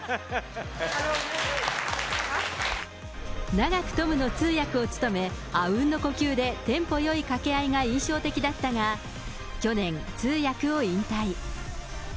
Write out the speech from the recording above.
長くトムの通訳を務め、あうんの呼吸でテンポよい掛け合いが印象的だったが、去年、通訳を引退。